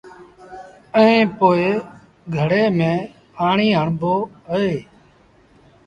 ائيٚݩ پو گھڙي ميݩ پآڻيٚ هڻبو اهي۔